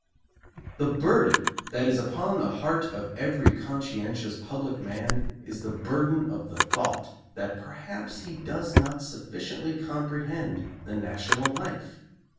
The burden that is upon the heart of every conscientious public man is the burden of the thought that perhaps he does not sufficiently comprehend the national life.